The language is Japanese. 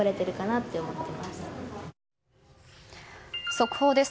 速報です。